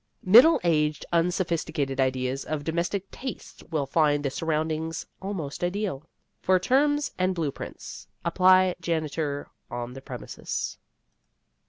Middle aged, unsophisticated ideas of domestic tastes will find the surroundings almost ideal. For terms and blue prints apply janitor on the premises.